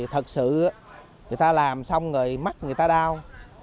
thật sự người ta làm xong rồi mắt người ta đau